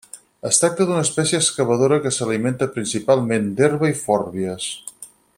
Es tracta d'una espècie excavadora que s'alimenta principalment d'herba i fòrbies.